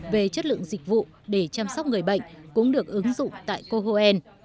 về chất lượng dịch vụ để chăm sóc người bệnh cũng được ứng dụng tại cohoen